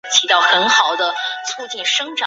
皇家空军旗在所有基地白天都要升起。